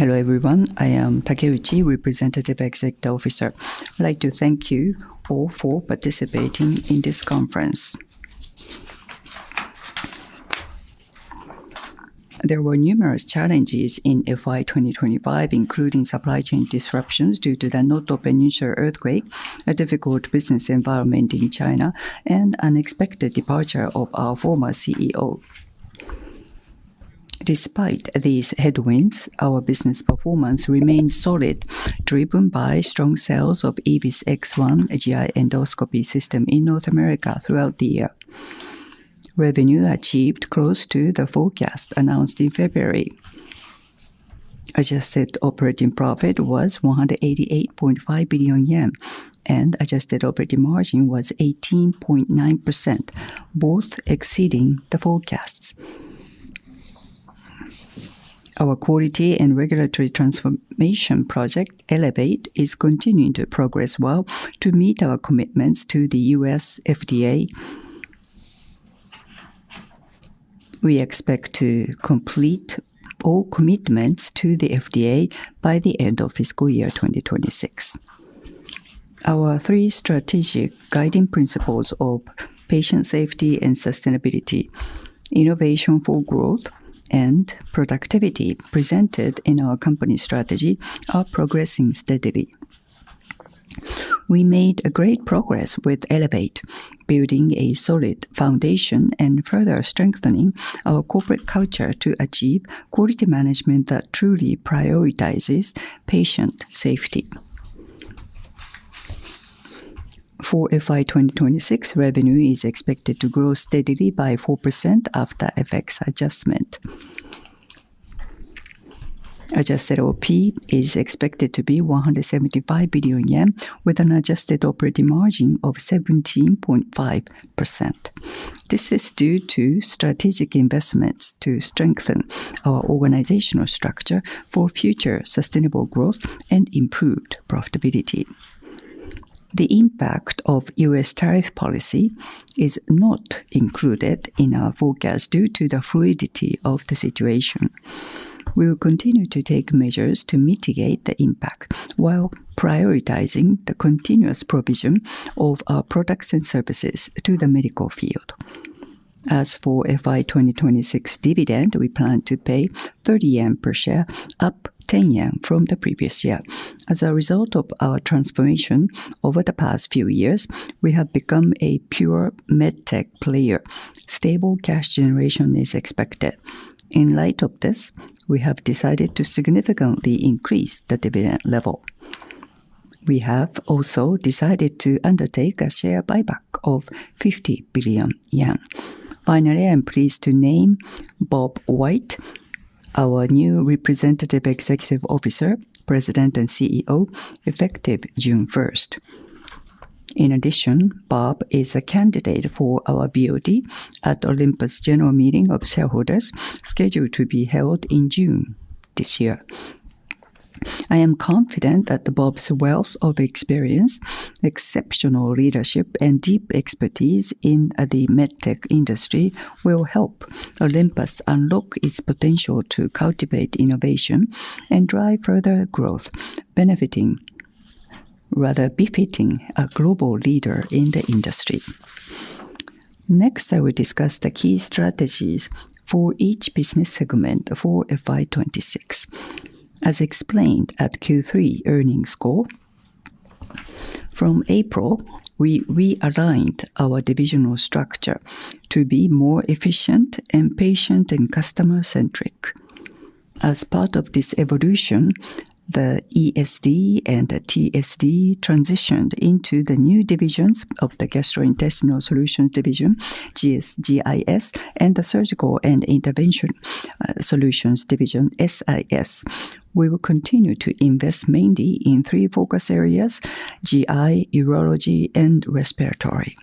Hello everyone, I am Takeuchi, Representative Executive Officer. I'd like to thank you all for participating in this conference. There were numerous challenges in fiscal year 2025, including supply chain disruptions due to the Noto Peninsula Earthquake, a difficult business environment in China, and unexpected departure of our former CEO. Despite these headwinds, our business performance remained solid, driven by strong sales of EVIS X1 GI endoscopy system in North America throughout the year. Revenue achieved close to the forecast announced in February. Adjusted operating profit was 188.5 billion yen, and adjusted operating margin was 18.9%, both exceeding the forecasts. Our quality and regulatory transformation project, Elevate, is continuing to progress well to meet our commitments to the U.S. FDA. We expect to complete all commitments to the FDA by the end of fiscal year 2026. Our three strategic guiding principles of patient safety and sustainability, innovation for growth, and productivity presented in our company strategy are progressing steadily. We made great progress with Elevate, building a solid foundation and further strengthening our corporate culture to achieve quality management that truly prioritizes patient safety. For fiscal year 2026, revenue is expected to grow steadily by 4% after FX adjustment. Adjusted OP is expected to be 175 billion yen, with an adjusted operating margin of 17.5%. This is due to strategic investments to strengthen our organizational structure for future sustainable growth and improved profitability. The impact of U.S. tariff policy is not included in our forecast due to the fluidity of the situation. We will continue to take measures to mitigate the impact while prioritizing the continuous provision of our products and services to the medical field. As for FY 2026 dividend, we plan to pay 30 yen per share, up 10 yen from the previous year. As a result of our transformation over the past few years, we have become a pure medtech player. Stable cash generation is expected. In light of this, we have decided to significantly increase the dividend level. We have also decided to undertake a share buyback of 50 billion yen. Finally, I'm pleased to name Bob White, our new Representative Executive Officer, President and CEO, effective June 1st. In addition, Bob is a candidate for our BOD at Olympus General Meeting of Shareholders, scheduled to be held in June this year. I am confident that Bob's wealth of experience, exceptional leadership, and deep expertise in the medtech industry will help Olympus unlock its potential to cultivate innovation and drive further growth, benefiting rather befitting a global leader in the industry. Next, I will discuss the key strategies for each business segment for FY 2026. As explained at Q3 earnings score, from April, we realigned our divisional structure to be more efficient, patient, and customer-centric. As part of this evolution, the ESD and TSD transitioned into the new divisions of the Gastrointestinal Solutions Division, GIS, and the Surgical and Intervention Solutions Division, SIS. We will continue to invest mainly in three focus areas: GI, Urology, and Respiratory.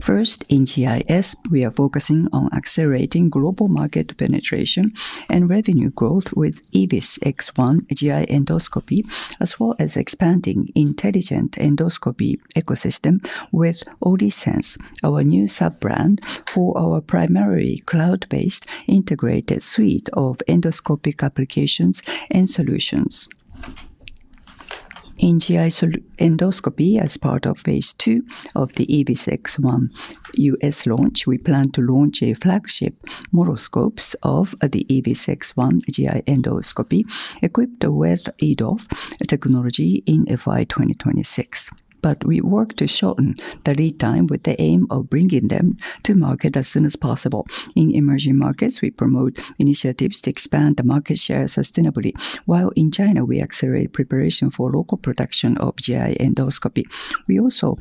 First, in GIS, we are focusing on accelerating global market penetration and revenue growth with EVIS X1 GI endoscopy, as well as expanding intelligent endoscopy ecosystem with OLYSENSE, our new sub-brand for our primary cloud-based integrated suite of endoscopic applications and solutions. In GI endoscopy, as part of phase two of the EVIS X1 U.S. launch, we plan to launch a flagship microscope of the EVIS X1 GI endoscopy, equipped with EDOF technology in FY 2026. We work to shorten the lead time with the aim of bringing them to market as soon as possible. In emerging markets, we promote initiatives to expand the market share sustainably, while in China, we accelerate preparation for local production of GI endoscopy. We also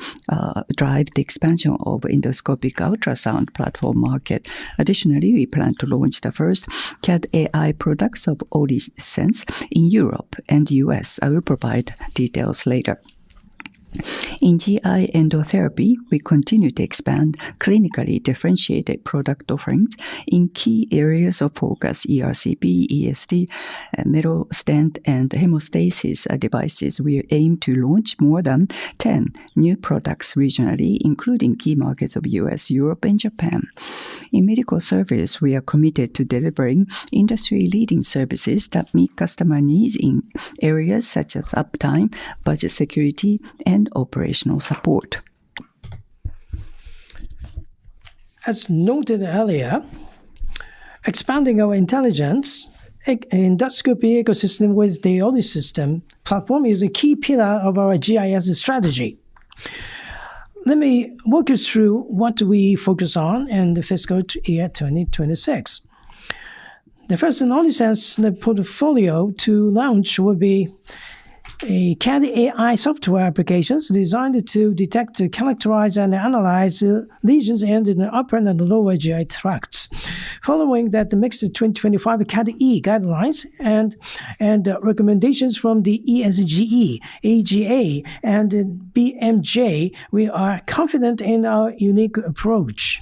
drive the expansion of endoscopic ultrasound platform market. Additionally, we plan to launch the first CAD/AI products of OLYSENSE in Europe and the U.S. I will provide details later. In GI endotherapy, we continue to expand clinically differentiated product offerings in key areas of focus: ERCP, ESD, metal stent, and hemostasis devices. We aim to launch more than 10 new products regionally, including key markets of the U.S., Europe, and Japan. In medical service, we are committed to delivering industry-leading services that meet customer needs in areas such as uptime, budget security, and operational support. As noted earlier, expanding our intelligence endoscopy ecosystem with the OLYSENSE platform is a key pillar of our GIS strategy. Let me walk you through what we focus on in the fiscal year 2026. The first in the OLYSENSE portfolio to launch will be CAD/AI software applications designed to detect, characterize, and analyze lesions in the upper and lower GI tracts. Following that, the mixed 2025 CADe guidelines and recommendations from the ESGE, AGA, and BMJ, we are confident in our unique approach.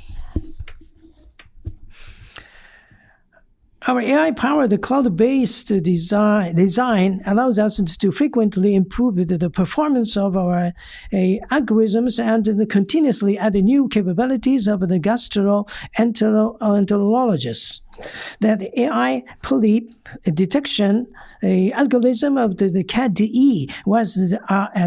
Our AI-powered cloud-based design allows us to frequently improve the performance of our algorithms and continuously add new capabilities for the gastroenterologists. That AI polyp detection algorithm of the CADDIE was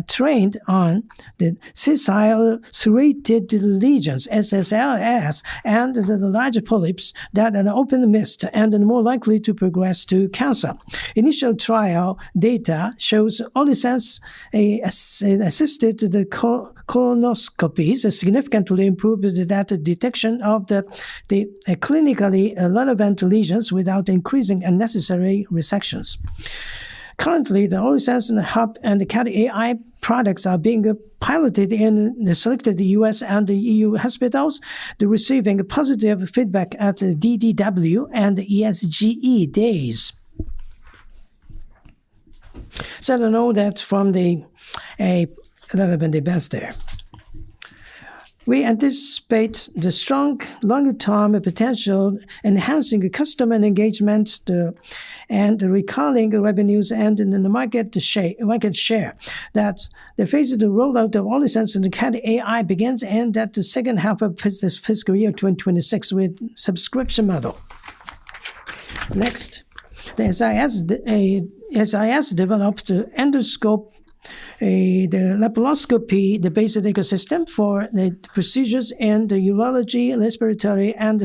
trained on the sessile serrated lesions, SSLs, and the larger polyps that open the mist and are more likely to progress to cancer. Initial trial data shows OLYSENSE assisted colonoscopies significantly improved the detection of the clinically relevant lesions without increasing unnecessary resections. Currently, the OLYSENSE hub and CAD/AI products are being piloted in selected U.S. and EU hospitals, receiving positive feedback at DDW and ESGE days. I know that from the relevant investors. We anticipate the strong long-term potential, enhancing customer engagement and recalling revenues and the market share. The phase of the rollout of OLYSENSE and CAD/AI begins in the second half of fiscal year 2026 with subscription model. Next, the SIS develops to endoscope the laparoscopy, the basic ecosystem for the procedures and Urology, Respiratory, and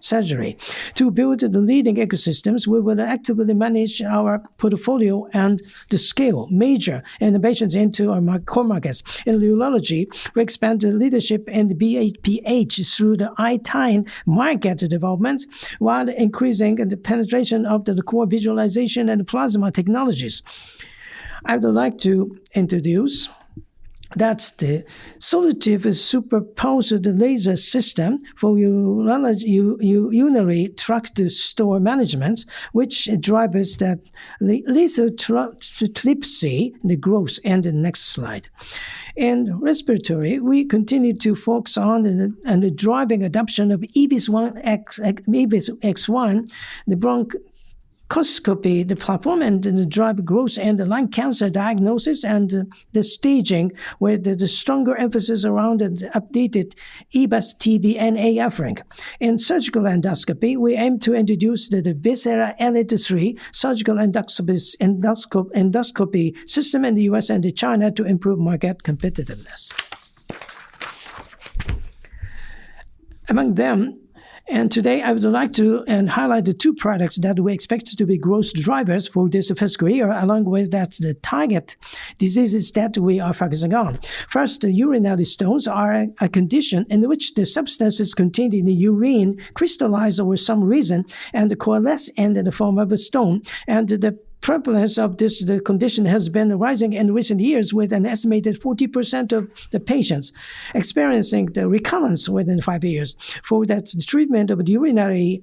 Surgery. To build the leading ecosystems, we will actively manage our portfolio and scale major innovations into our core markets. In Urology, we expand the leadership in BPH through the iTINE market development while increasing the penetration of the core visualization and plasma technologies. I would like to introduce that the SOLTIVE SuperPulsed Laser System for urinary tract stone management, which drives that laser lithotripsy growth. The next slide. In Respiratory, we continue to focus on driving adoption of EVIS X1, the bronchoscopy platform, and drive growth in lung cancer diagnosis and staging, with a stronger emphasis around the updated EBUS-TBNA offering. In surgical endoscopy, we aim to introduce the VISERA ELITE III surgical endoscopy system in the U.S. and China to improve market competitiveness. Among them, today, I would like to highlight the two products that we expect to be growth drivers for this fiscal year, along with the target diseases that we are focusing on. First, urinary stones are a condition in which the substances contained in the urine crystallize over some reason and coalesce in the form of a stone. The prevalence of this condition has been rising in recent years, with an estimated 40% of the patients experiencing the recurrence within five years. For that treatment of the urinary,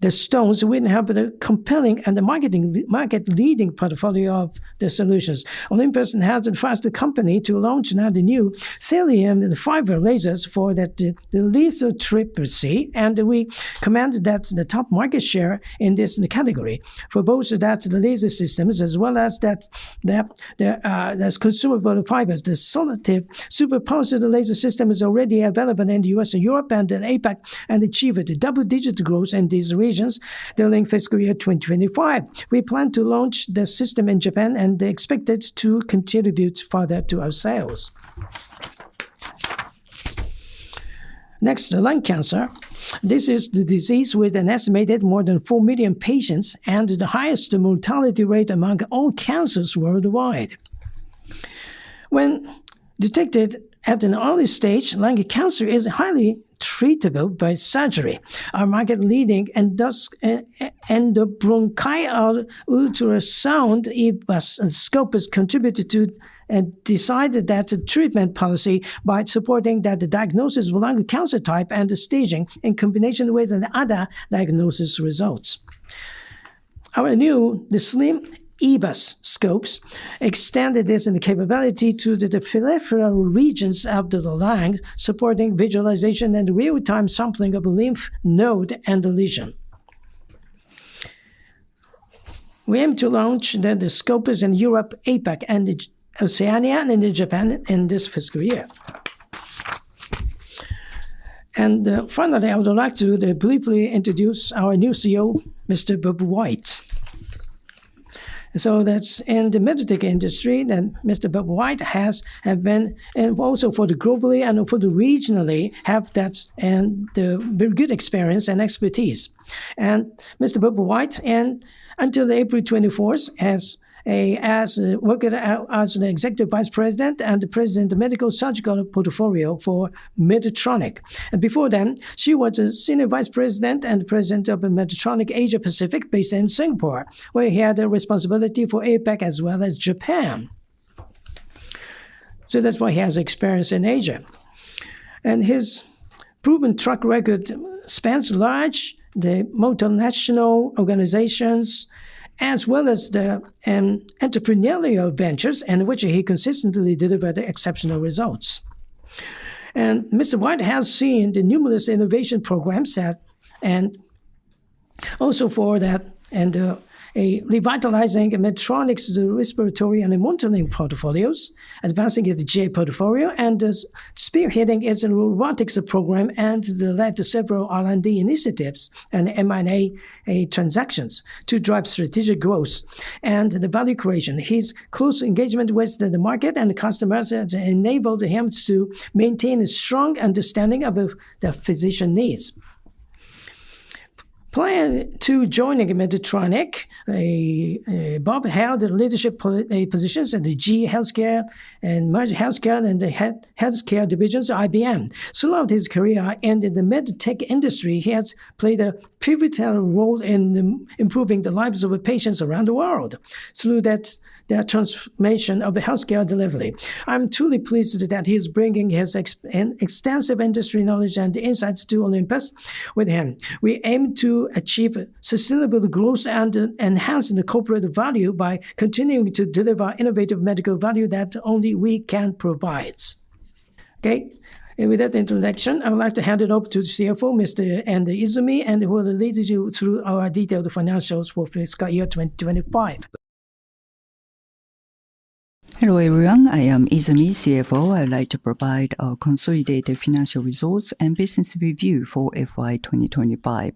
the stones would have a compelling and market-leading portfolio of the solutions. Olympus has advised the company to launch now the new thulium fiber lasers for that laser lithotripsy, and we commend that the top market share in this category. For both that laser systems, as well as that consumable fibers, the SOLTIVE SuperPulsed Laser System is already available in the U.S. and Europe and the APAC, and achieved double-digit growth in these regions during fiscal year 2025. We plan to launch the system in Japan and expect it to contribute further to our sales. Next, lung cancer. This is the disease with an estimated more than 4 million patients and the highest mortality rate among all cancers worldwide. When detected at an early stage, lung cancer is highly treatable by surgery. Our market-leading endobronchial ultrasound scope has contributed to and decided that the treatment policy by supporting that the diagnosis of lung cancer type and the staging in combination with other diagnosis results. Our new, the slim EBUS scopes extended this capability to the peripheral regions of the lung, supporting visualization and real-time sampling of a lymph node and a lesion. We aim to launch the scopes in Europe, APAC, and Oceania and in Japan in this fiscal year. Finally, I would like to briefly introduce our new CEO, Mr. Bob White. That is in the medtech industry that Mr. Bob White has been also for the globally and for the regionally have that and very good experience and expertise. Mr. Bob White, until April 24th, has worked as an Executive Vice President and the President of the Medical Surgical Portfolio for Medtronic. Before then, he was a Senior Vice President and President of Medtronic Asia Pacific based in Singapore, where he had responsibility for APAC as well as Japan. That is why he has experience in Asia. His proven track record spans large multinational organizations as well as the entrepreneurial ventures in which he consistently delivered exceptional results. Mr. White has seen the numerous innovation programs and also for that and revitalizing Medtronic's respiratory and modeling portfolios, advancing his GI portfolio and spearheading his robotics program and led several R&D initiatives and M&A transactions to drive strategic growth and the value creation. His close engagement with the market and customers has enabled him to maintain a strong understanding of the physician needs. Prior to joining Medtronic, Bob held leadership positions at GE Healthcare and the healthcare divisions of IBM. Throughout his career and in the medtech industry, he has played a pivotal role in improving the lives of patients around the world through that transformation of healthcare delivery. I'm truly pleased that he is bringing his extensive industry knowledge and insights to Olympus with him. We aim to achieve sustainable growth and enhance the corporate value by continuing to deliver innovative medical value that only we can provide. Okay, with that introduction, I would like to hand it over to the CFO, Mr. Izumi, who will lead you through our detailed financials for fiscal year 2025. Hello everyone. I am Izumi, CFO. I'd like to provide a consolidated financial results and business review for FY 2025.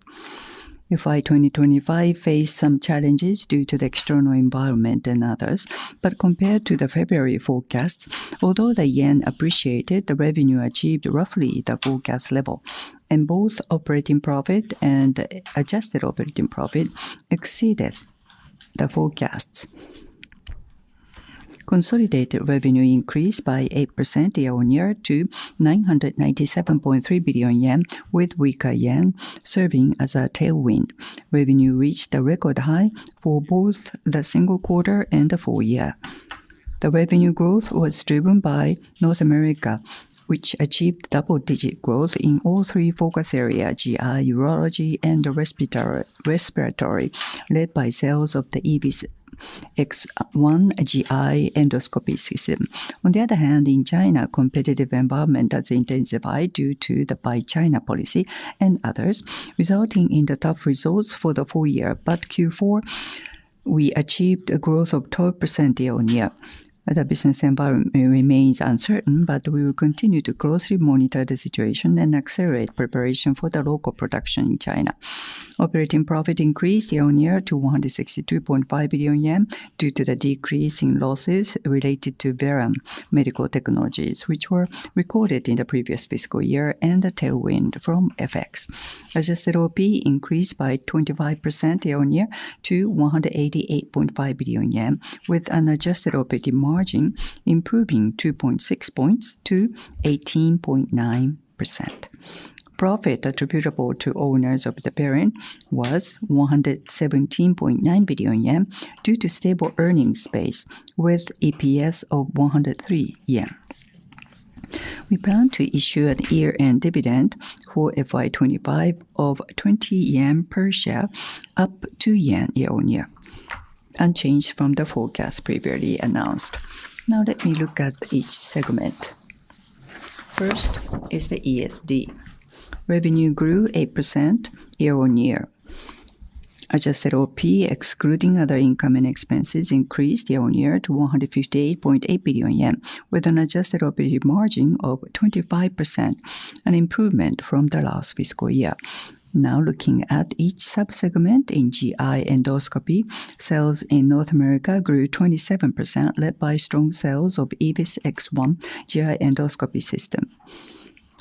FY 2025 faced some challenges due to the external environment and others, but compared to the February forecast, although the yen appreciated, the revenue achieved roughly the forecast level, and both operating profit and adjusted operating profit exceeded the forecasts. Consolidated revenue increased by 8% year on year to 997.3 billion yen, with weaker yen serving as a tailwind. Revenue reached a record high for both the single quarter and the full year. The revenue growth was driven by North America, which achieved double-digit growth in all three focus areas, GI, Urology, and Respiratory, led by sales of the EVIS X1 GI endoscopy system. On the other hand, in China, the competitive environment has intensified due to the Buy China policy and others, resulting in the tough results for the full year. In Q4, we achieved a growth of 12% year on year. The business environment remains uncertain, but we will continue to closely monitor the situation and accelerate preparation for the local production in China. Operating profit increased year on year to 162.5 billion yen due to the decrease in losses related to Veran Medical Technologies, which were recorded in the previous fiscal year, and the tailwind from FX. Adjusted OP increased by 25% year on year to 188.5 billion yen, with an adjusted operating margin improving 2.6 percentage points to 18.9%. Profit attributable to owners of the parent was 117.9 billion yen due to stable earnings space, with EPS of 103 yen. We plan to issue a year-end dividend for fiscal year 2025 of 20 yen per share, up JPY 2 year on year, unchanged from the forecast previously announced. Now let me look at each segment. First is the ESD. Revenue grew 8% year on year. Adjusted OP, excluding other income and expenses, increased year on year to 158.8 billion yen, with an adjusted operating margin of 25%, an improvement from the last fiscal year. Now looking at each subsegment in GI endoscopy, sales in North America grew 27%, led by strong sales of EVIS X1 GI endoscopy system.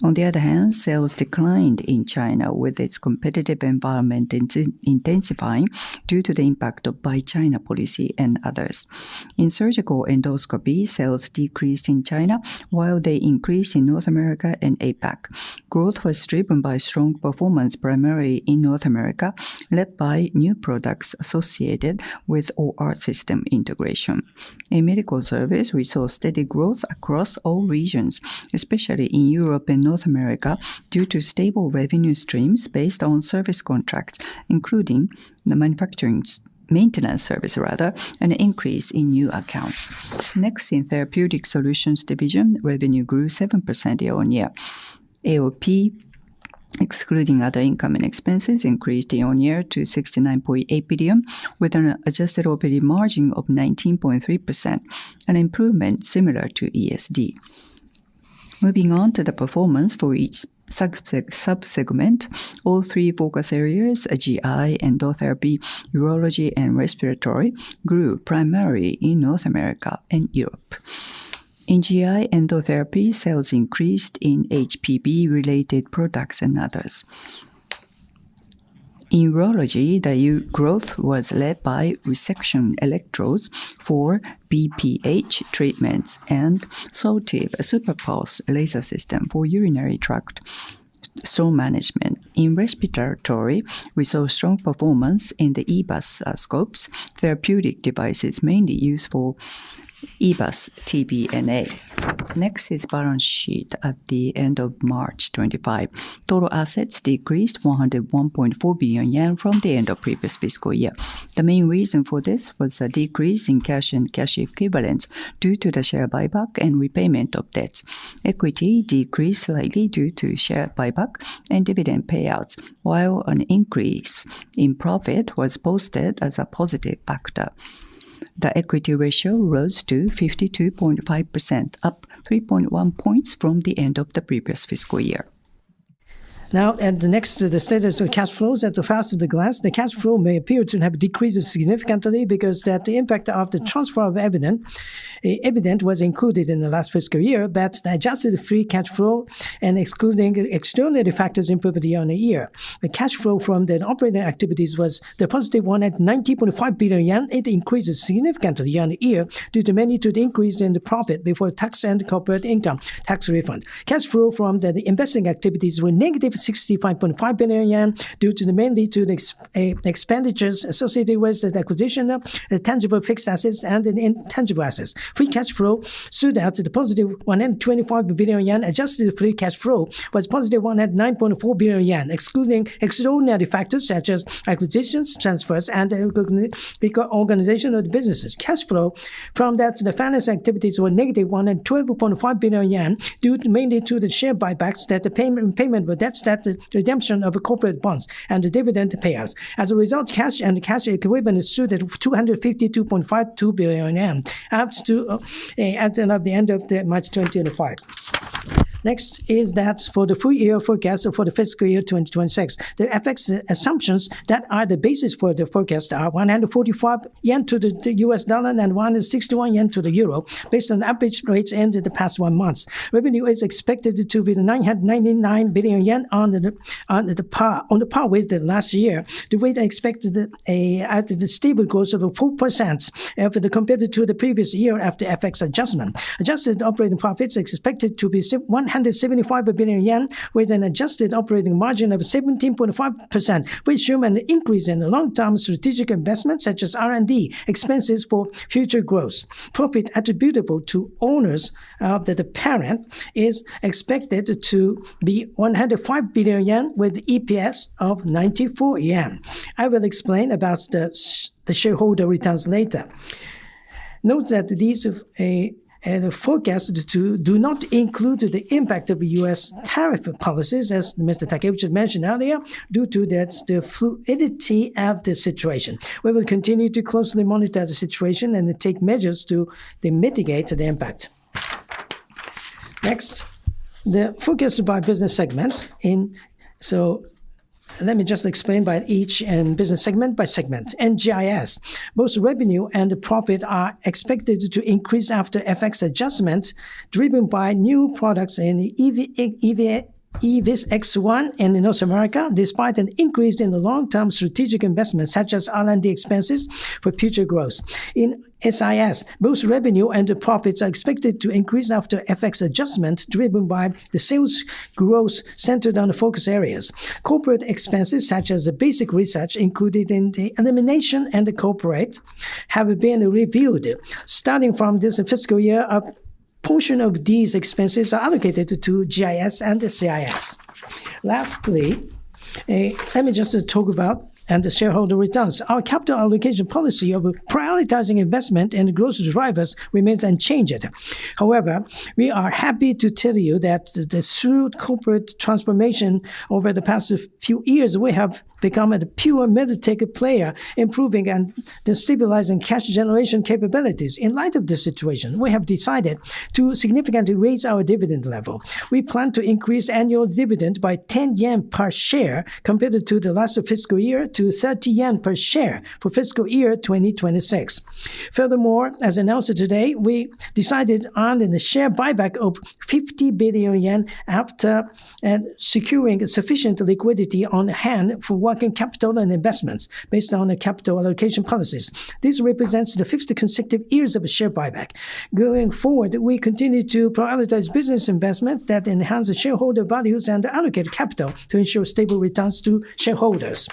On the other hand, sales declined in China, with its competitive environment intensifying due to the impact of Buy China policy and others. In surgical endoscopy, sales decreased in China while they increased in North America and APAC. Growth was driven by strong performance primarily in North America, led by new products associated with OR system integration. In medical service, we saw steady growth across all regions, especially in Europe and North America, due to stable revenue streams based on service contracts, including the manufacturing maintenance service, rather, and an increase in new accounts. Next, in Therapeutic Solutions Division, revenue grew 7% year on year. AOP, excluding other income and expenses, increased year on year to 69.8 billion, with an adjusted operating margin of 19.3%, an improvement similar to ESD. Moving on to the performance for each subsegment, all three focus areas, GI, Endotherapy, Urology, and Respiratory, grew primarily in North America and Europe. In GI, endotherapy sales increased in HPV-related products and others. In Urology, the growth was led by resection electrodes for BPH treatments and SOLTIVE SuperPulsed Laser System for urinary tract stone management. In respiratory, we saw strong performance in the EBUS scopes, therapeutic devices mainly used for EBUS-TBNA. Next is balance sheet at the end of March 2025. Total assets decreased 101.4 billion yen from the end of previous fiscal year. The main reason for this was a decrease in cash and cash equivalents due to the share buyback and repayment of debts. Equity decreased slightly due to share buyback and dividend payouts, while an increase in profit was posted as a positive factor. The equity ratio rose to 52.5%, up 3.1 percentage points from the end of the previous fiscal year. Now, next to the status of cash flows, at the first of the glass, the cash flow may appear to have decreased significantly because the impact of the transfer of Evident was included in the last fiscal year, but adjusted free cash flow and excluding external factors improved year on year. The cash flow from the operating activities was a positive one at 90.5 billion yen. It increased significantly year on year mainly due to the increase in the profit before tax and corporate income tax refund. Cash flow from the investing activities was -65.5 billion yen mainly due to the expenditures associated with the acquisition of tangible fixed assets and intangible assets. Free cash flow stood at a +125 billion yen. Adjusted free cash flow was a positive one at 9.4 billion yen, excluding extraordinary factors such as acquisitions, transfers, and organization of the businesses. Cash flow from the finance activities were -112.5 billion yen due mainly to the share buybacks, that the payment with that stated redemption of corporate bonds and the dividend payouts. As a result, cash and cash equivalent stood at 252.52 billion yen at the end of March 2025. Next is that for the full year forecast for the fiscal year 2026. The FX assumptions that are the basis for the forecast are 145 yen to the US dollar and 161 yen to the euro, based on average rates ended the past one month. Revenue is expected to be 999 billion yen on the par with the last year, the rate expected at the stable growth of 4% compared to the previous year after FX adjustment. Adjusted operating profits expected to be 175 billion yen with an adjusted operating margin of 17.5%, which shows an increase in long-term strategic investments such as R&D expenses for future growth. Profit attributable to owners of the parent is expected to be 105 billion yen with EPS of 94 yen. I will explain about the shareholder returns later. Note that these forecasts do not include the impact of U.S. tariff policies, as Mr. Takeda mentioned earlier, due to the fluidity of the situation. We will continue to closely monitor the situation and take measures to mitigate the impact. Next, the focus by business segments. Let me just explain by each business segment by segment. GIS, both revenue and profit are expected to increase after FX adjustment driven by new products in EVIS X1 in North America, despite an increase in the long-term strategic investments such as R&D expenses for future growth. In SIS, both revenue and profits are expected to increase after FX adjustment driven by the sales growth centered on the focus areas. Corporate expenses such as basic research included in the elimination and the corporate have been reviewed. Starting from this fiscal year, a portion of these expenses are allocated to GIS and SIS. Lastly, let me just talk about the shareholder returns. Our capital allocation policy of prioritizing investment and growth drivers remains unchanged. However, we are happy to tell you that through corporate transformation over the past few years, we have become a pure medtech player, improving and stabilizing cash generation capabilities. In light of this situation, we have decided to significantly raise our dividend level. We plan to increase annual dividend by 10 yen per share compared to the last fiscal year to 30 yen per share for fiscal year 2026. Furthermore, as announced today, we decided on the share buyback of 50 billion yen after securing sufficient liquidity on hand for working capital and investments based on capital allocation policies. This represents the fifth consecutive years of a share buyback. Going forward, we continue to prioritize business investments that enhance shareholder values and allocate capital to ensure stable returns to shareholders.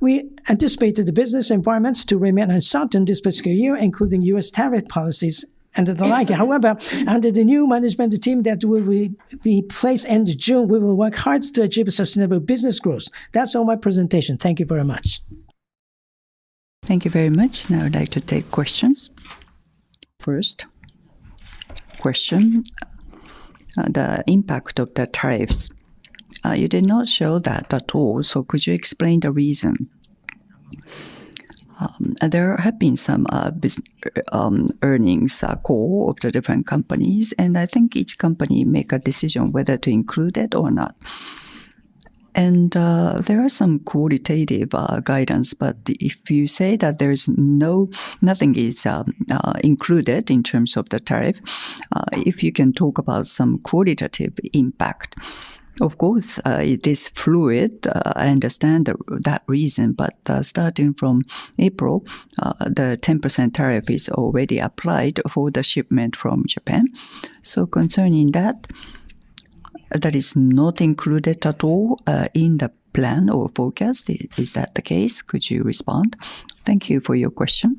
We anticipate the business environments to remain uncertain this fiscal year, including U.S. tariff policies and the like. However, under the new management team that will be placed end of June, we will work hard to achieve sustainable business growth. That's all my presentation. Thank you very much. Thank you very much. Now I'd like to take questions. First question, the impact of the tariffs. You did not show that at all, so could you explain the reason? There have been some earnings call of the different companies, and I think each company makes a decision whether to include it or not. There are some qualitative guidance, but if you say that there's nothing included in terms of the tariff, if you can talk about some qualitative impact. Of course, it is fluid. I understand that reason, but starting from April, the 10% tariff is already applied for the shipment from Japan. Concerning that, that is not included at all in the plan or forecast. Is that the case? Could you respond? Thank you for your question.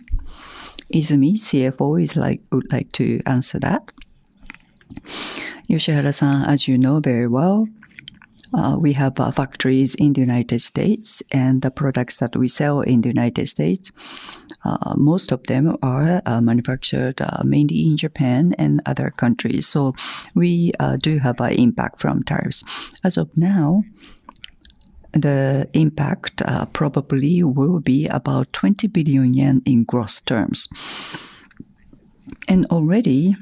Izumi, CFO, would like to answer that. Yoshiharasan, as you know very well, we have factories in the United States, and the products that we sell in the United States, most of them are manufactured mainly in Japan and other countries. We do have an impact from tariffs. As of now, the impact probably will be about 20 billion yen in gross terms. Already,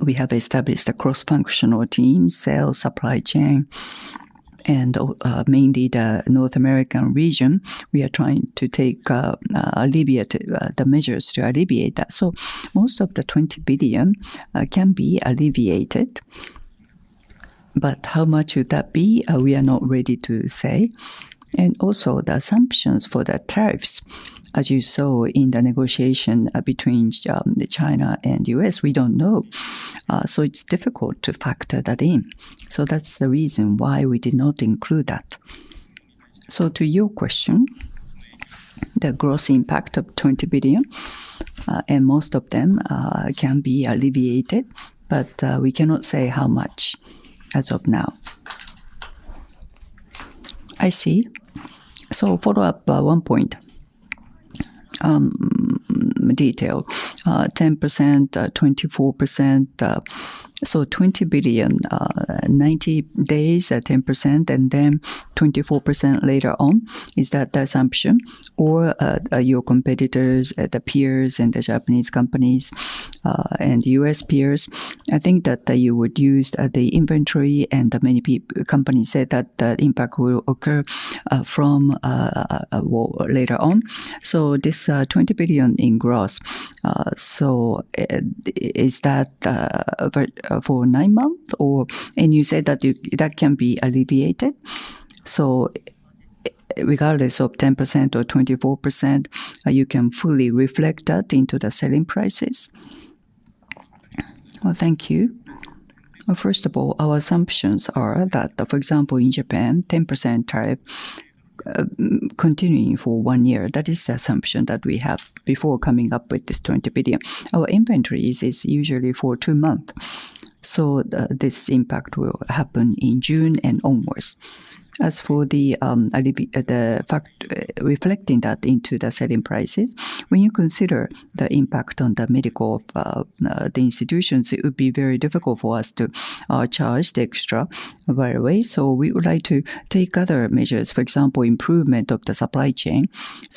we have established a cross-functional team, sales, supply chain, and mainly the North American region. We are trying to take the measures to alleviate that. Most of the 20 billion can be alleviated, but how much would that be, we are not ready to say. Also, the assumptions for the tariffs, as you saw in the negotiation between China and the U.S., we do not know. It is difficult to factor that in. That is the reason why we did not include that. To your question, the gross impact of 20 billion, and most of them can be alleviated, but we cannot say how much as of now. I see. Follow up one point detail, 10%, 24%. So 20 billion, 90 days, 10%, and then 24% later on. Is that the assumption? Or your competitors, the peers and the Japanese companies and US peers? I think that you would use the inventory, and many companies said that the impact will occur later on. This 20 billion in gross, so is that for nine months? You said that that can be alleviated. Regardless of 10% or 24%, you can fully reflect that into the selling prices? Thank you. First of all, our assumptions are that, for example, in Japan, 10% tariff continuing for one year. That is the assumption that we have before coming up with this 20 billion. Our inventories is usually for two months. This impact will happen in June and onwards. As for reflecting that into the selling prices, when you consider the impact on the medical of the institutions, it would be very difficult for us to charge the extra by the way. We would like to take other measures, for example, improvement of the supply chain.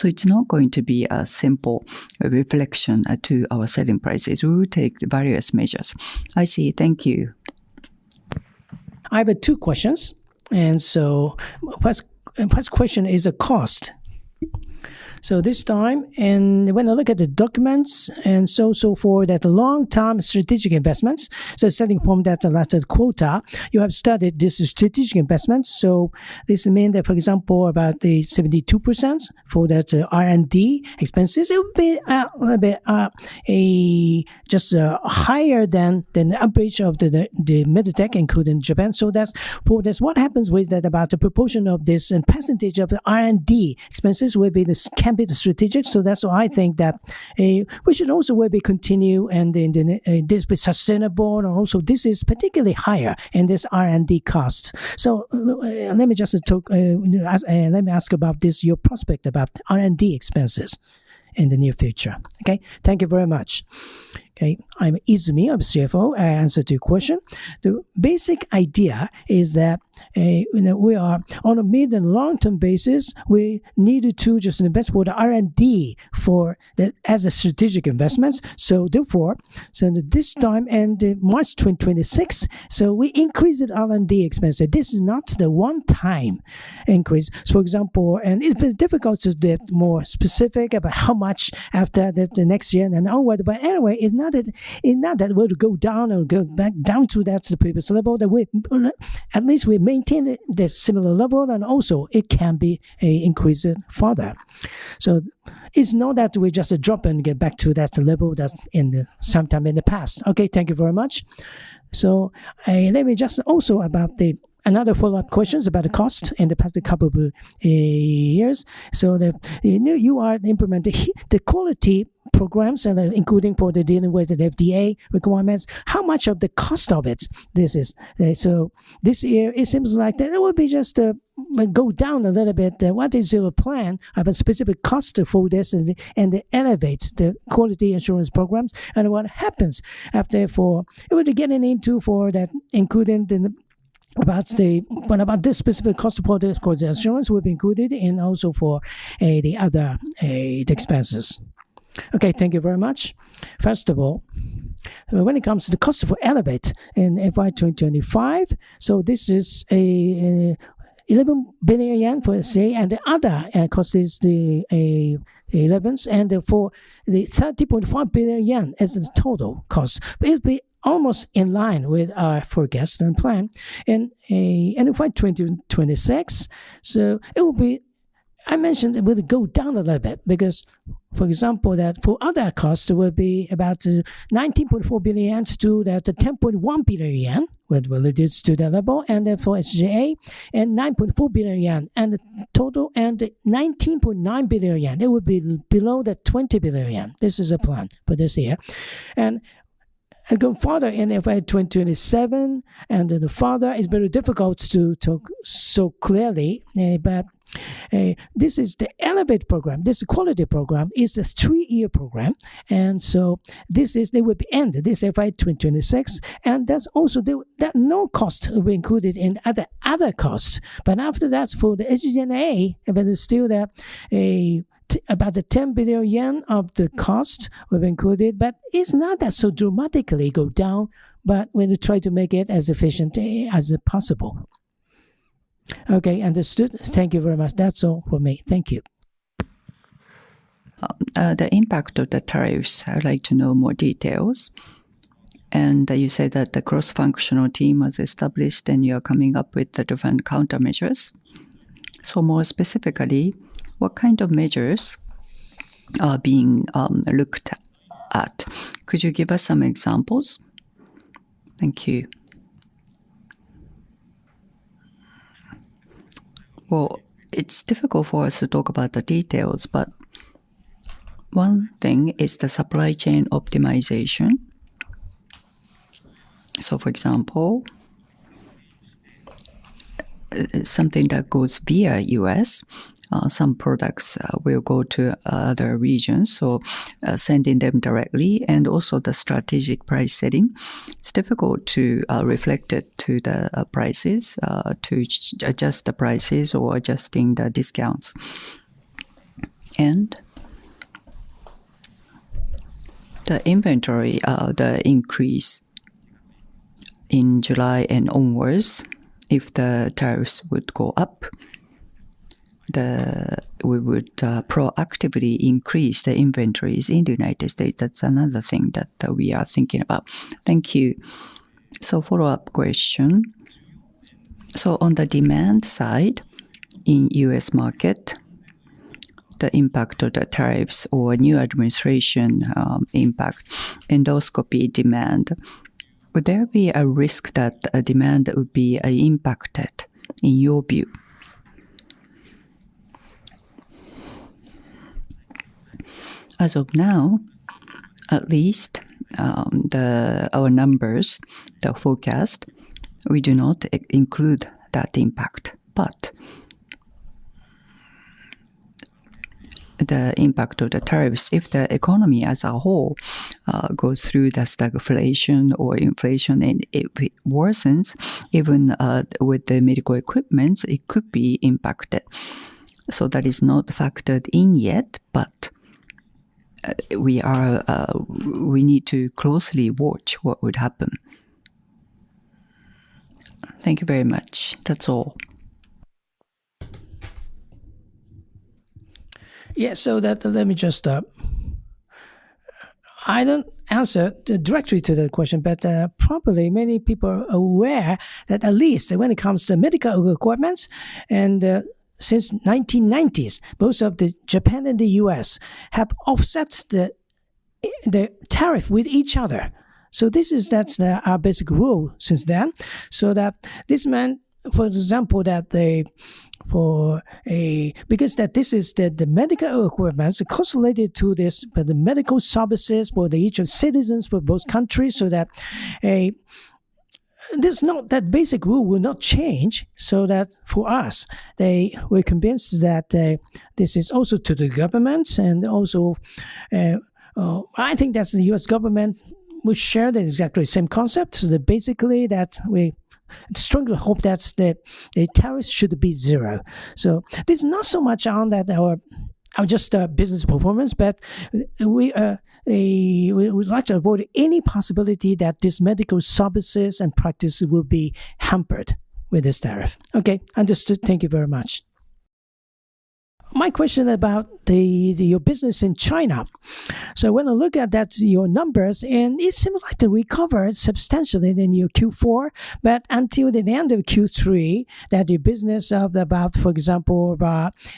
It is not going to be a simple reflection to our selling prices. We will take various measures. I see. Thank you. I have two questions. First question is a cost. This time, when I look at the documents and so forth, that long-term strategic investments, setting from that last quarter, you have studied these strategic investments. This means that, for example, about the 72% for that R&D expenses, it will be a little bit just higher than the average of the medtech included in Japan. That is what happens with that, about the proportion of this and percentage of the R&D expenses can be the strategic. That is why I think that we should also continue and this be sustainable. Also, this is particularly higher in this R&D cost. Let me just talk, let me ask about this, your prospect about R&D expenses in the near future. Okay. Thank you very much. Okay. I'm Izumi. I'm a CFO. I answered your question. The basic idea is that we are on a mid and long-term basis, we needed to just invest for the R&D as a strategic investments. Therefore, this time and March 2026, we increased R&D expenses. This is not the one-time increase. For example, it's difficult to be more specific about how much after the next year and all. Anyway, it's not that we'll go down or go back down to that level. At least we maintain the similar level, and also it can be increased further. It's not that we just drop and get back to that level that's in some time in the past. Okay. Thank you very much. Let me just also about another follow-up questions about the cost in the past couple of years. You are implementing the quality programs including for the dealing with the FDA requirements. How much of the cost of it this is? This year it seems like it will just go down a little bit. What is your plan of a specific cost for this and Elevate the quality assurance programs? What happens after for it would be getting into for that including about this specific cost for the assurance will be included in also for the other expenses. Okay. Thank you very much. First of all, when it comes to the cost for Elevate in FY 2025, this is 11 billion yen for SA and the other cost is the 11th. For the 30.5 billion yen as a total cost, it will be almost in line with our forecast and plan in FY 2026. It will be, I mentioned it will go down a little bit because, for example, for other costs, it will be about 19.4 billion yen to that 10.1 billion yen related to that level and for SGA and 9.4 billion yen in total and 19.9 billion yen. It will be below that 20 billion yen. This is a plan for this year. Going farther in FY 2027, and the farther is very difficult to talk so clearly, but this is the Elevate program. This quality program is a three-year program. This will be ended this FY 2026. That is also that no cost will be included in other costs. After that, for the SG&A, it's still about 10 billion yen of the cost will be included, but it's not that so dramatically go down, but when you try to make it as efficient as possible. Okay. Understood. Thank you very much. That's all for me. Thank you. The impact of the tariffs, I'd like to know more details. You said that the cross-functional team was established and you are coming up with different countermeasures. More specifically, what kind of measures are being looked at? Could you give us some examples? Thank you. It is difficult for us to talk about the details, but one thing is the supply chain optimization. For example, something that goes via the U.S., some products will go to other regions, so sending them directly and also the strategic price setting. It is difficult to reflect it to the prices, to adjust the prices or adjusting the discounts. The inventory, the increase in July and onwards, if the tariffs would go up, we would proactively increase the inventories in the United States. That is another thing that we are thinking about. Thank you. Follow-up question. On the demand side in the U.S. market, the impact of the tariffs or new administration impact, endoscopy demand, would there be a risk that demand would be impacted in your view? As of now, at least our numbers, the forecast, we do not include that impact, but the impact of the tariffs, if the economy as a whole goes through that stagflation or inflation and it worsens, even with the medical equipment, it could be impacted. That is not factored in yet, but we need to closely watch what would happen. Thank you very much. That is all. Yeah. Let me just answer directly to that question, but probably many people are aware that at least when it comes to medical equipment, and since the 1990s, both Japan and the U.S. have offset the tariff with each other. This is our basic rule since then. This meant, for example, that because this is medical equipment, it's cost-related to this, but the medical services for each of citizens for both countries, that basic rule will not change. For us, we're convinced that this is also to the governments. I think that the U.S. government, we share the exactly same concept. Basically, we strongly hope that the tariffs should be zero. There is not so much on that, just our business performance, but we would like to avoid any possibility that these medical services and practices will be hampered with this tariff. Okay. Understood. Thank you very much. My question about your business in China. When I look at your numbers, it seems like you recovered substantially in your Q4, but until the end of Q3, your business of about, for example,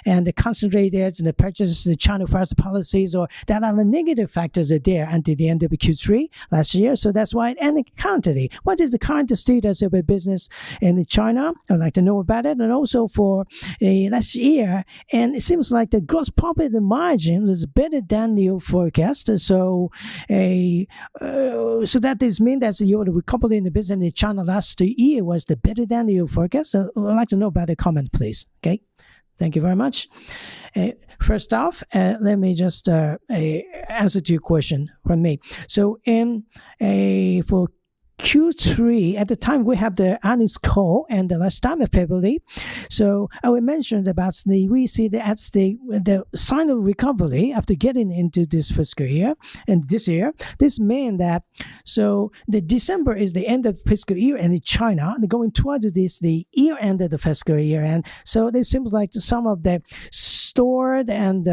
and the concentrated and the purchases, the China first policies, those are the negative factors there until the end of Q3 last year. That is why. Currently, what is the current status of your business in China? I would like to know about it. Also, for last year, it seems like the gross profit margin is better than your forecast. That does mean that you would have recovered in the business in China last year was better than your forecast? I'd like to know about the comment, please. Okay. Thank you very much. First off, let me just answer to your question for me. For Q3, at the time, we had the earnings call and the last time of February. I would mention about the we see that the sign of recovery after getting into this fiscal year and this year. This meant that December is the end of fiscal year in China. Going towards the year end of the fiscal year. It seems like some of the stored and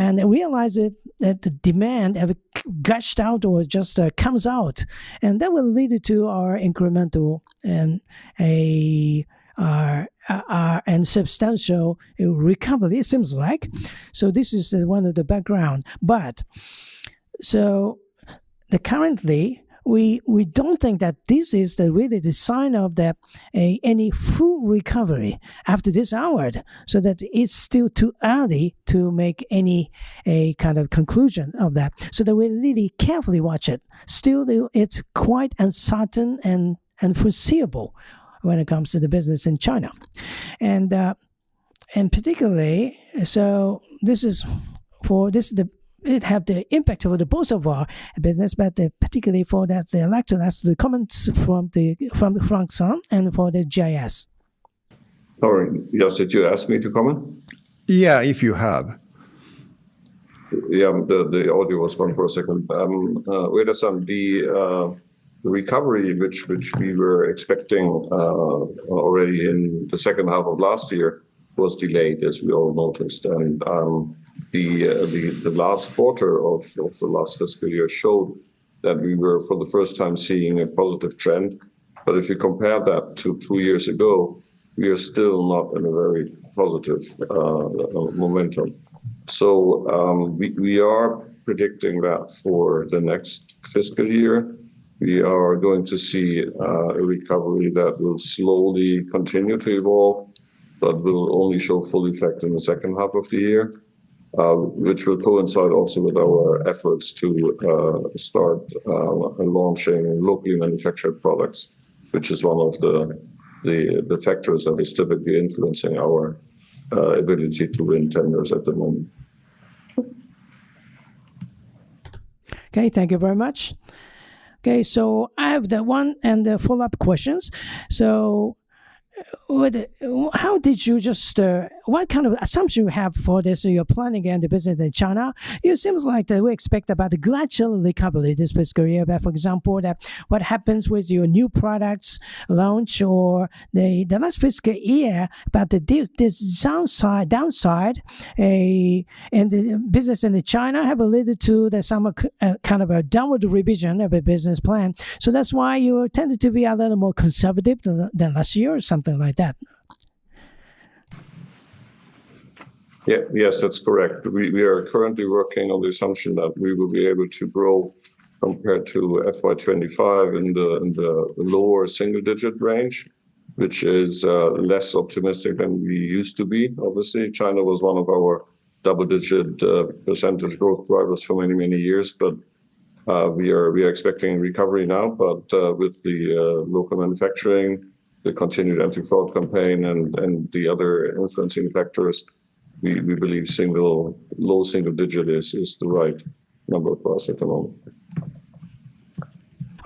realized that the demand gushed out or just comes out. That will lead to our incremental and substantial recovery, it seems like. This is one of the background. Currently, we do not think that this is really the sign of any full recovery after this hour. It is still too early to make any kind of conclusion on that. We are really carefully watching it. Still, it is quite uncertain and unforeseeable when it comes to the business in China. Particularly, this has an impact for both of our businesses, but particularly for the electrosurgical, that is the comment from Frank and for the GIS. Sorry. Yose, did you ask me to comment? Yeah, if you have. Yeah. The audio was gone for a second. We had a recovery which we were expecting already in the second half of last year was delayed, as we all noticed. The last quarter of the last fiscal year showed that we were for the first time seeing a positive trend. If you compare that to two years ago, we are still not in a very positive momentum. We are predicting that for the next fiscal year, we are going to see a recovery that will slowly continue to evolve, but will only show full effect in the second half of the year, which will coincide also with our efforts to start launching locally manufactured products, which is one of the factors that is typically influencing our ability to win tenders at the moment. Okay. Thank you very much. Okay. I have one and the follow-up questions. How did you just what kind of assumption you have for this your planning and the business in China? It seems like that we expect about a gradual recovery this fiscal year, but for example, what happens with your new products launch or the last fiscal year, but the downside and the business in China have alluded to some kind of a downward revision of a business plan. That's why you tended to be a little more conservative than last year or something like that. Yes, that's correct. We are currently working on the assumption that we will be able to grow compared to FY 2025 in the lower single-digit range, which is less optimistic than we used to be. Obviously, China was one of our double-digit percentage growth drivers for many, many years, but we are expecting recovery now. With the local manufacturing, the continued anti-fraud campaign, and the other influencing factors, we believe low single-digit is the right number for us at the moment.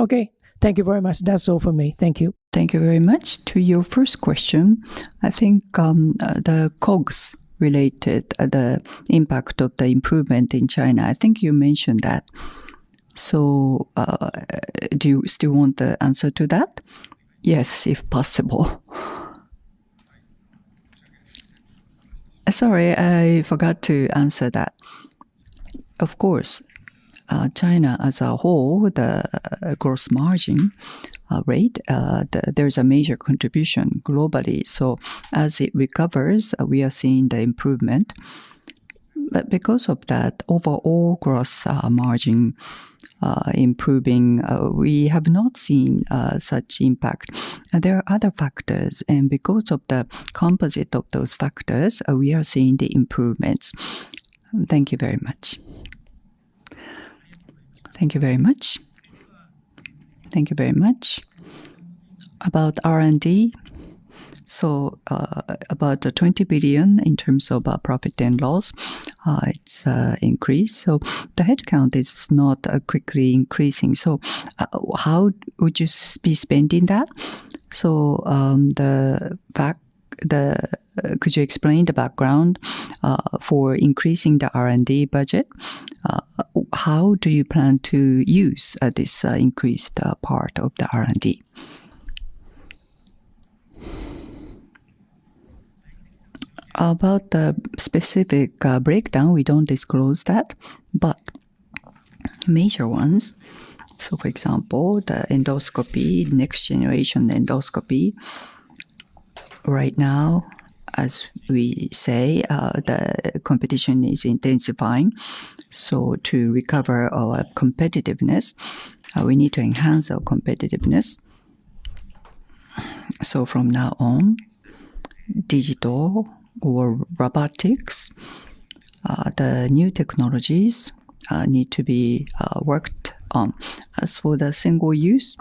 Okay. Thank you very much. That's all for me. Thank you. Thank you very much. To your first question, I think the COGS-related impact of the improvement in China, I think you mentioned that. Do you still want the answer to that? Yes, if possible. Sorry, I forgot to answer that. Of course, China as a whole, the gross margin rate, there is a major contribution globally. As it recovers, we are seeing the improvement. Because of that, overall gross margin is improving. We have not seen such impact. There are other factors. Because of the composite of those factors, we are seeing the improvements. Thank you very much. About R&D, about 20 billion in terms of profit and loss, it has increased. The headcount is not quickly increasing. How would you be spending that? Could you explain the background for increasing the R&D budget? How do you plan to use this increased part of the R&D? About the specific breakdown, we do not disclose that, but major ones. For example, the endoscopy, next generation endoscopy. Right now, as we say, the competition is intensifying. To recover our competitiveness, we need to enhance our competitiveness. From now on, digital or robotics, the new technologies need to be worked on. As for the single use,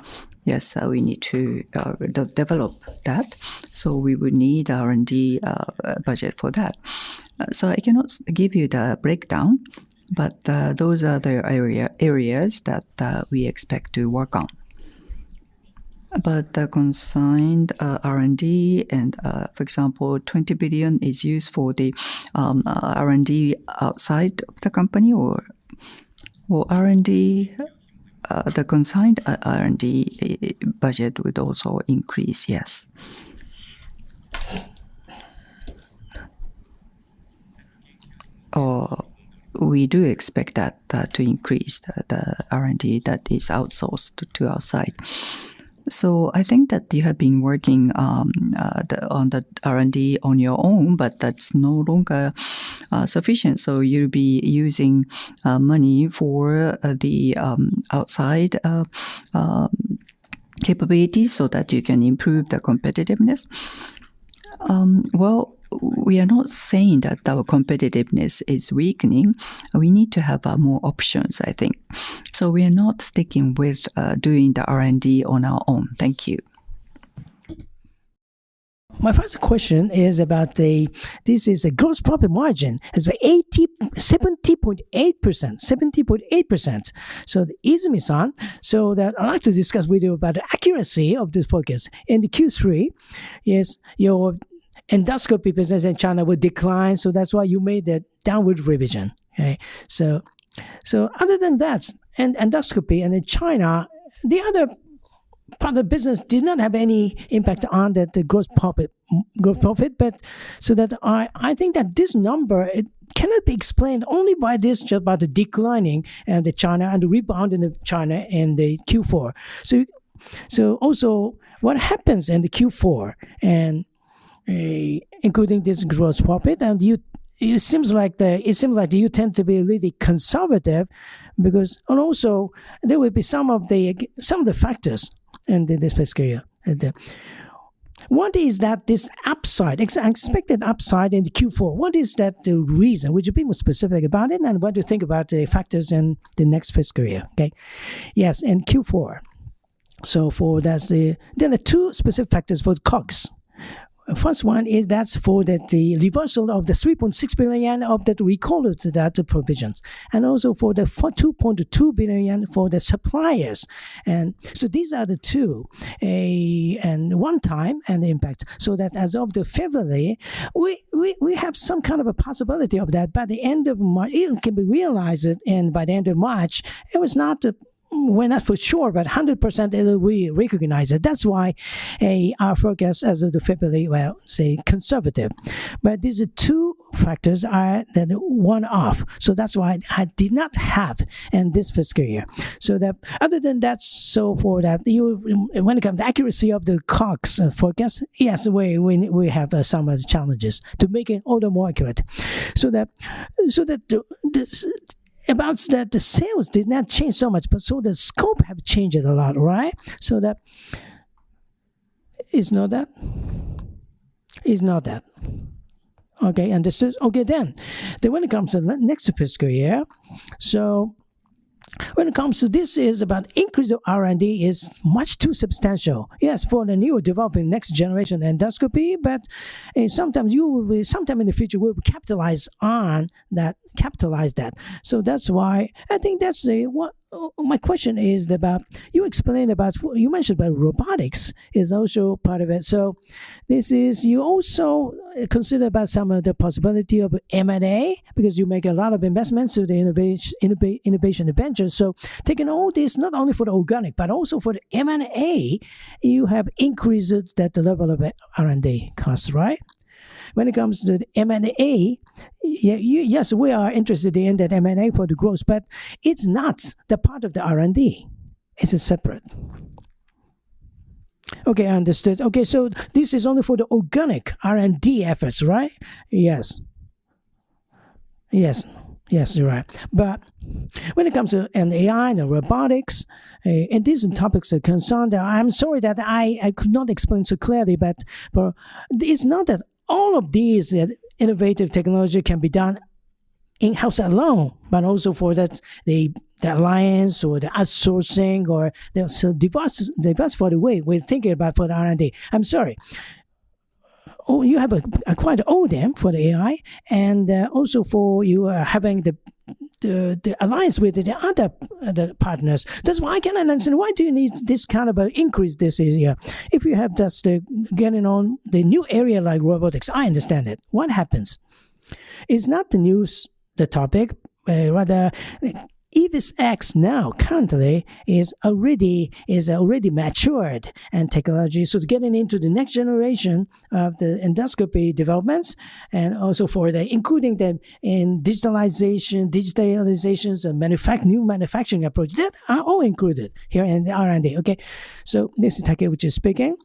yes, we need to develop that. We would need R&D budget for that. I cannot give you the breakdown, but those are the areas that we expect to work on. The consigned R&D, and for example, 20 billion is used for the R&D outside of the company or R&D, the consigned R&D budget would also increase, yes. We do expect that to increase, the R&D that is outsourced to our side. I think that you have been working on the R&D on your own, but that's no longer sufficient. You'll be using money for the outside capabilities so that you can improve the competitiveness? We are not saying that our competitiveness is weakening. We need to have more options, I think. We are not sticking with doing the R&D on our own. Thank you. My first question is about this. Is a gross profit margin 70.8%, 70.8%? The ism is on. I'd like to discuss with you about the accuracy of this focus in Q3. Yes, your endoscopy business in China would decline. That's why you made the downward revision. Other than that, endoscopy and in China, the other part of the business did not have any impact on the gross profit. I think that this number cannot be explained only by just the decline in China and the rebound in China in Q4. Also, what happens in Q4, including this gross profit, it seems like you tend to be really conservative because there would be some other factors in this fiscal year. One is that this upside, expected upside in Q4, what is that reason? Would you be more specific about it? What do you think about the factors in the next fiscal year? Okay. Yes, in Q4. There are two specific factors for the COGS. First one is the reversal of 3.6 billion yen of that recall-related provision. Also, 2.2 billion yen for the suppliers. These are the two one-time impacts. That as of February, we have some kind of a possibility of that by the end of March, it can be realized. By the end of March, it was not, we're not for sure, but 100% we recognize it. That's why our forecast as of February, well, say conservative. These are two factors that one off. That's why I did not have in this fiscal year. Other than that, for that, when it comes to accuracy of the COGS forecast, yes, we have some of the challenges to make it all the more accurate. About that, the sales did not change so much, but the scope have changed a lot, right? That is not that. Is not that. Okay. Okay, then when it comes to the next fiscal year, when it comes to this, it is about increase of R&D is much too substantial. Yes, for the new developing next generation endoscopy, but sometimes you will be sometime in the future will capitalize on that, capitalize that. That's why I think that's my question is about you explained about you mentioned about robotics is also part of it. This is you also consider about some of the possibility of M&A because you make a lot of investments to the innovation ventures. Taking all this, not only for the organic, but also for the M&A, you have increased that the level of R&D costs, right? When it comes to the M&A, yes, we are interested in that M&A for the growth, but it's not the part of the R&D. It's separate. Okay, I understood. Okay. This is only for the organic R&D efforts, right? Yes. Yes. Yes, you're right. When it comes to AI and robotics, these are topics that concern—I'm sorry that I could not explain so clearly—but it's not that all of these innovative technology can be done in-house alone, but also for the alliance or the outsourcing or the device for the way we're thinking about for the R&D. I'm sorry. You have quite an ODEM for the AI and also for you having the alliance with the other partners. That's why I cannot understand why you need this kind of increase this year. If you are just getting on the new area like robotics, I understand it. What happens? It's not the news, the topic, rather EVIS X1 now currently is already matured and technology. Getting into the next generation of the endoscopy developments and also for including them in digitalization, digitalizations, and manufacturing approach. That are all included here in the R&D. Okay. This is Takeuchi, which is speaking.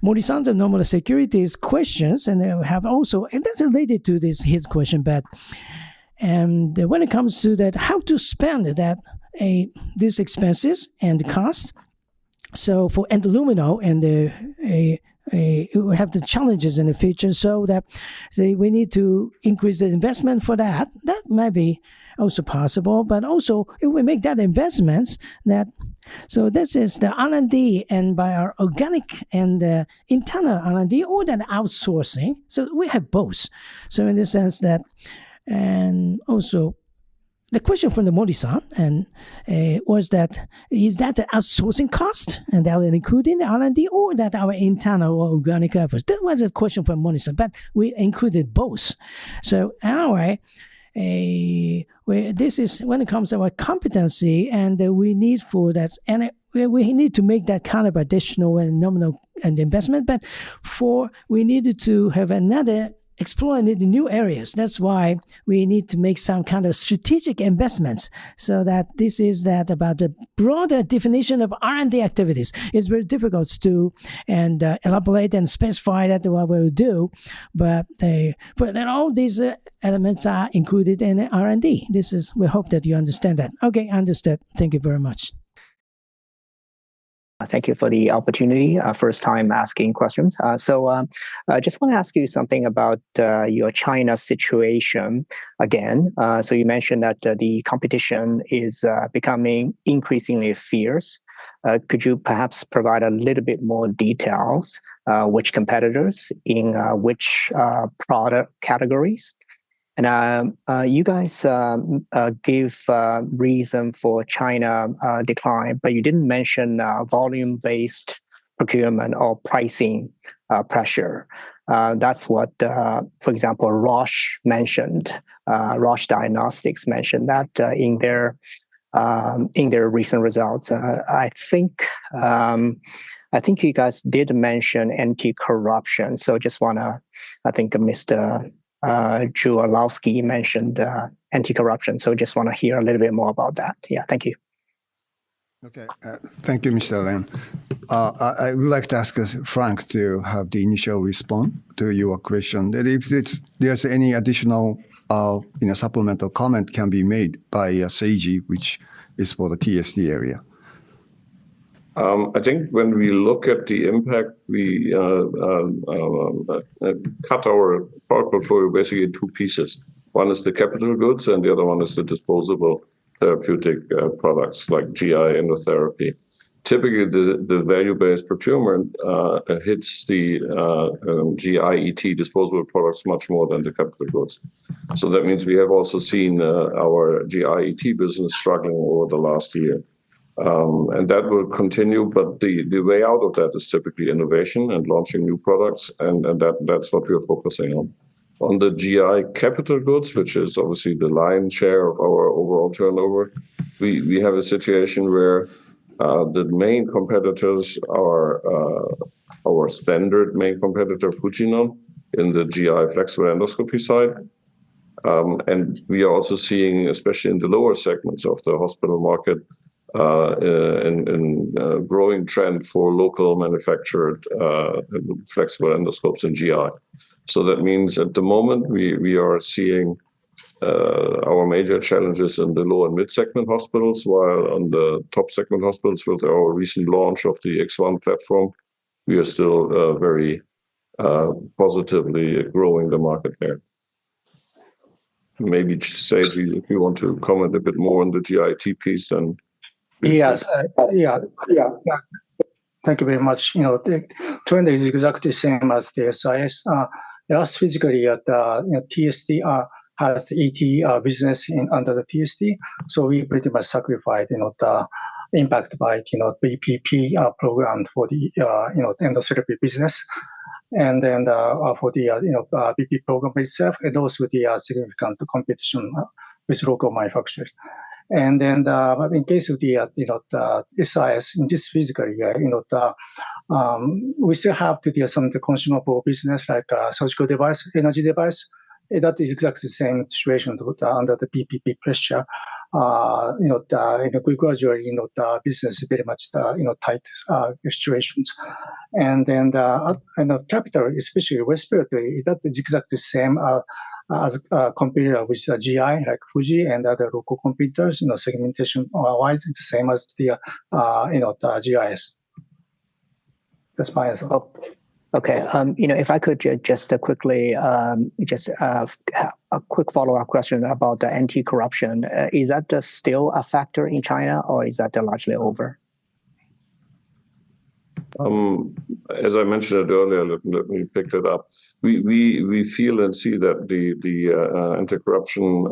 Morrison's and Nomura Securities questions, and we have also, and that's related to his question, but when it comes to that, how to spend these expenses and costs. For dndoluminal and we have the challenges in the future. We need to increase the investment for that. That may be also possible, but also if we make that investments that this is the R&D and by our organic and internal R&D or that outsourcing. We have both. In the sense that, and also the question from Morrison was, is that an outsourcing cost and will that be included in the R&D or is that our internal or organic efforts? That was a question from Morrison, but we included both. Anyway, this is when it comes to our competency and we need for that, and we need to make that kind of additional and nominal investment, but we needed to have another explore in the new areas. That's why we need to make some kind of strategic investments so that this is about the broader definition of R&D activities. It's very difficult to elaborate and specify what we will do, but all these elements are included in R&D. We hope that you understand that. Okay, understood. Thank you very much. Thank you for the opportunity, first time asking questions. I just want to ask you something about your China situation again. You mentioned that the competition is becoming increasingly fierce. Could you perhaps provide a little bit more details, which competitors in which product categories? You guys give reason for China decline, but you did not mention volume-based procurement or pricing pressure. That is what, for example, Roche mentioned. Roche Diagnostics mentioned that in their recent results. I think you guys did mention anti-corruption. I think Mr. Drewalowski mentioned anti-corruption. I just want to hear a little bit more about that. Yeah, thank you. Okay. Thank you, Mr. Lin. I would like to ask Frank to have the initial response to your question. If there is any additional supplemental comment, it can be made by Seiji, which is for the TSD area. I think when we look at the impact, we cut our product portfolio basically in two pieces. One is the capital goods, and the other one is the disposable therapeutic products like GI endotherapy. Typically, the value-based procurement hits the GI ET disposable products much more than the capital goods. That means we have also seen our GI ET business struggling over the last year. That will continue, but the way out of that is typically innovation and launching new products, and that's what we are focusing on. On the GI capital goods, which is obviously the lion's share of our overall turnover, we have a situation where the main competitors are our standard main competitor, Fujifilm, in the GI flexible endoscopy side. We are also seeing, especially in the lower segments of the hospital market, a growing trend for local manufactured flexible endoscopes in GI. That means at the moment, we are seeing our major challenges in the low and mid-segment hospitals, while on the top segment hospitals, with our recent launch of the X1 platform, we are still very positively growing the market there. Maybe Seiji, if you want to comment a bit more on the GI ET piece and. Yes. Thank you very much. Turn is exactly the same as the SIS. It has physically at TSD has ET business under the TSD. We pretty much sacrificed the impact by BPP program for the endoscopy business. For the BPP program itself, and also the significant competition with local manufacturers. In case of the SIS in this physical area, we still have to deal with some of the consumable business like surgical device, energy device. That is exactly the same situation under the BPP pressure. Gradually the business is very much tight situations. Capital, especially respiratory, that is exactly the same as competitor with GI like Fuji and other local competitors, segmentation-wise, it's the same as the GIS. That's my answer. Okay. If I could just quickly, just a quick follow-up question about the anti-corruption, is that still a factor in China or is that largely over? As I mentioned earlier, let me pick it up. We feel and see that the anti-corruption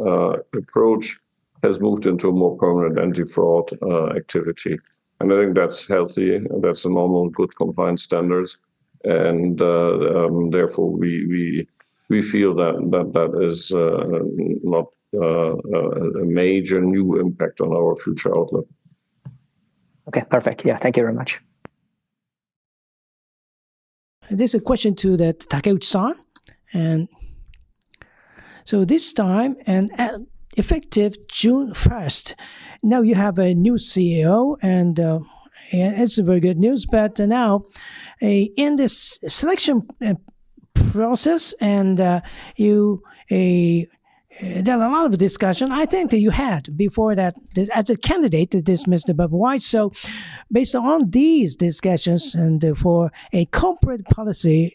approach has moved into a more permanent anti-fraud activity. I think that's healthy. That's a normal good compliance standard. Therefore, we feel that that is not a major new impact on our future outlook. Okay. Perfect. Yeah. Thank you very much. This is a question to Takeuchi-san. This time and effective June 1st, now you have a new CEO and it's very good news, but now in this selection process there are a lot of discussions, I think, that you had before that as a candidate to dismiss the Bob White. Based on these discussions and for a corporate policy,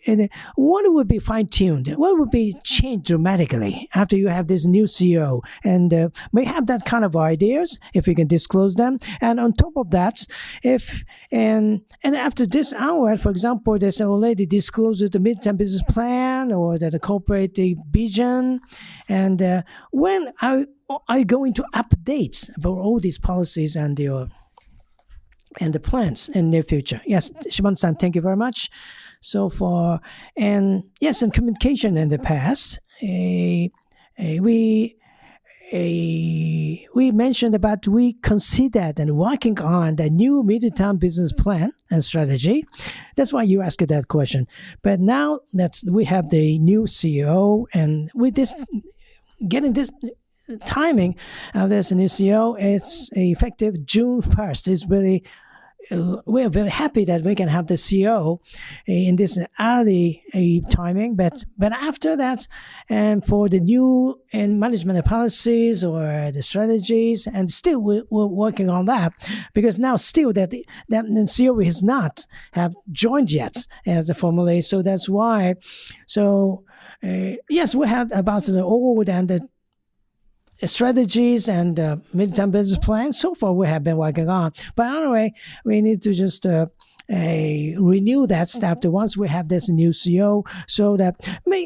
what would be fine-tuned? What would be changed dramatically after you have this new CEO? You may have that kind of ideas if you can disclose them. On top of that, after this hour, for example, there's already disclosed the mid-term business plan or that corporate vision. When are you going to update all these policies and the plans in the near future? Yes. Shimon-san, thank you very much. For, and yes, in communication in the past, we mentioned about we considered and working on the new mid-term business plan and strategy. That is why you asked that question. Now that we have the new CEO and with this, getting this timing, there is a new CEO, it is effective June 1st. We are very happy that we can have the CEO in this early timing. After that, and for the new management policies or the strategies, still we are working on that because now still that CEO has not joined yet as a formal aid. That is why. Yes, we had about all the strategies and the mid-term business plan. So far, we have been working on. Anyway, we need to just renew that staff once we have this new CEO so that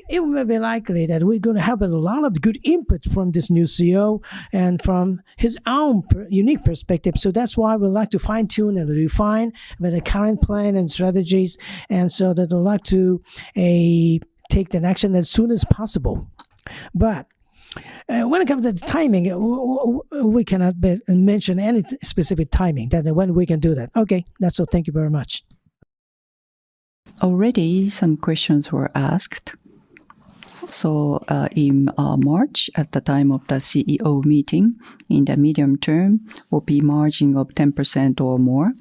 it will be likely that we're going to have a lot of good input from this new CEO and from his own unique perspective. That is why we'd like to fine-tune and refine the current plan and strategies and so that we'd like to take the action as soon as possible. When it comes to the timing, we cannot mention any specific timing that when we can do that. Okay. That's all. Thank you very much. Already some questions were asked. In March, at the time of the CEO meeting, in the medium term, OP margin of 10% or more,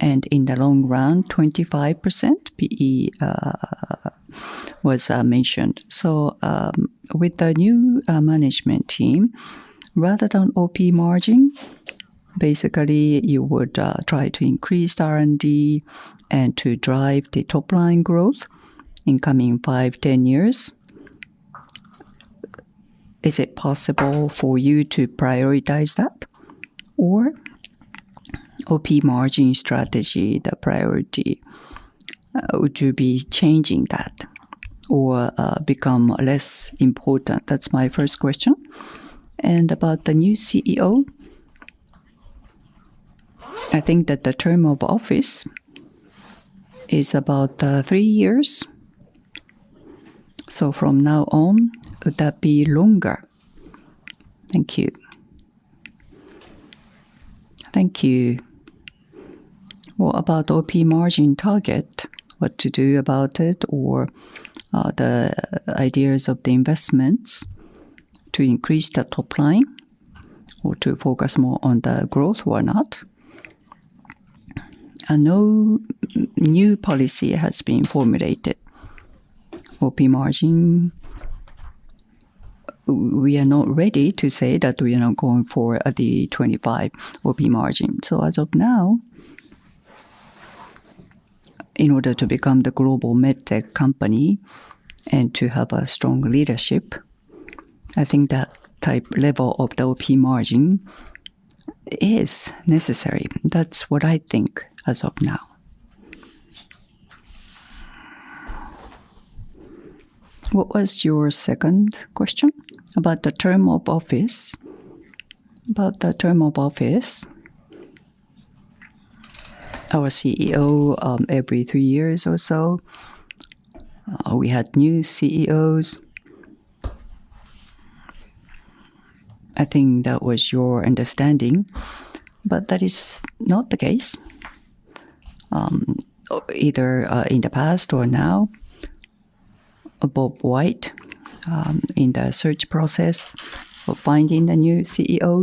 and in the long run, 25% PE was mentioned. With the new management team, rather than OP margin, basically, you would try to increase R&D and to drive the top line growth in coming five, ten years. Is it possible for you to prioritize that or OP margin strategy, the priority to be changing that or become less important? That's my first question. About the new CEO, I think that the term of office is about three years. From now on, would that be longer? Thank you. Thank you. What about OP margin target, what to do about it or the ideas of the investments to increase the top line or to focus more on the growth or not? No new policy has been formulated. OP margin, we are not ready to say that we are not going for the 25% OP margin. As of now, in order to become the global med tech company and to have a strong leadership, I think that type level of the OP margin is necessary. That is what I think as of now. What was your second question about the term of office? About the term of office, our CEO every three years or so. We had new CEOs. I think that was your understanding, but that is not the case. Either in the past or now, Bob White in the search process for finding the new CEO.